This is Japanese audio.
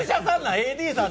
ＡＤさん